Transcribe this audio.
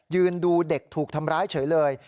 ยืนดูเด็กถูกทำร้ายเฉยเลย